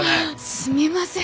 すみません